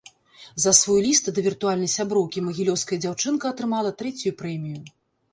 За свой ліст да віртуальнай сяброўкі магілёўская дзяўчынка атрымала трэцюю прэмію.